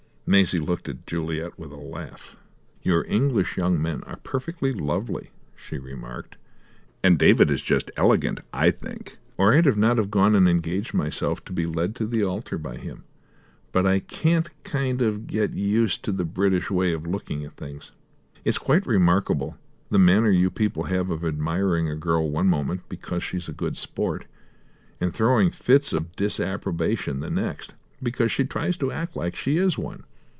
Maisie looked at Juliet with a laugh. "Your English young men are perfectly lovely," she remarked, "and David is just elegant, I think, or I'd not have gone and engaged myself to be led to the altar by him; but I can't kind of get used to the British way of looking at things. It's quite remarkable the manner you people have of admiring a girl one moment, because she's a good sport, and throwing fits of disapprobation the next, because she tries to act like she is one.